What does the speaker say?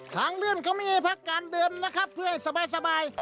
ทางเลื่อนเขาไม่ให้พักการเดินนะครับเพื่อให้สบาย